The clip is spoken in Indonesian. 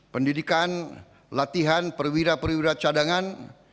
pendidikan latihan perwira perwira cadangan